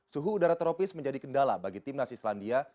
suhu udara tropis menjadi kendala bagi tim nas islandia